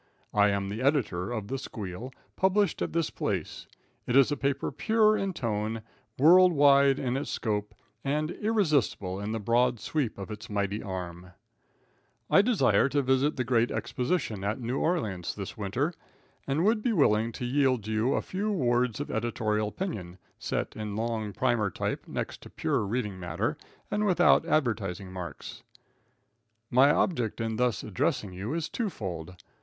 I am the editor of "The Squeal," published at this place. It is a paper pure in tone, world wide in its scope and irresistible in the broad sweep of its mighty arm. [Illustration: THE PRESS.] I desire to visit the great exposition at New Orleans this winter, and would be willing to yield you a few words of editorial opinion, set in long primer type next to pure reading matter, and without advertising marks. My object in thus addressing you is two fold.